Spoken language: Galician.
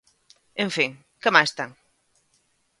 En fin, ¡que máis ten!